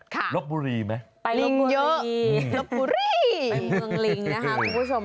ลบบุรีไหมไปลิงเยอะลบบุรีเมืองลิงนะคะคุณผู้ชม